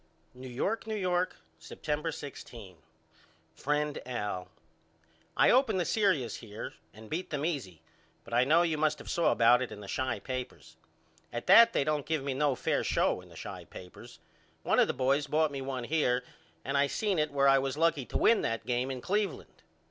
New York, New York, September 16. FRIEND AL: I opened the serious here and beat them easy but I know you must of saw about it in the Chi papers. At that they don't give me no fair show in the Chi papers. One of the boys bought one here and I seen in it where I was lucky to win that game in Cleveland.